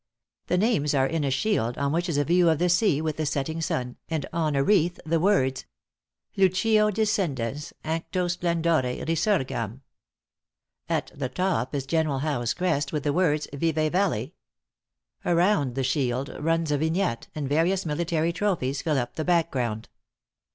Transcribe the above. The names are in a shield, on which is a view of the sea with the setting sun, and on a wreath the words, "Luceo discedens, ancto splendore resurgam." At the top is General Howe's crest, with the words, "Vive vale." Around the shield runs a vignette; and various military trophies fill up the back ground.